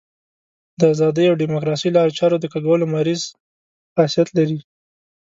د ازادۍ او ډیموکراسۍ لارو چارو د کږولو مریض خاصیت لري.